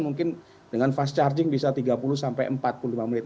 mungkin dengan fast charging bisa tiga puluh sampai empat puluh lima menit